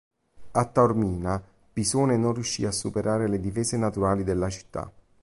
A Taormina Pisone non riuscì a superare le difese naturali della città.